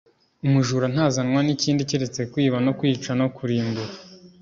Umujura ntazanwa n'ikindi keretse kwiba no kwica no kurimbura,